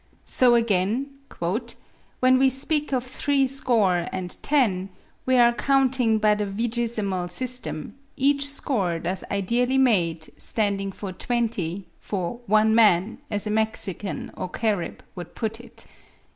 So again, "when we speak of three score and ten, we are counting by the vigesimal system, each score thus ideally made, standing for 20—for 'one man' as a Mexican or Carib would put it."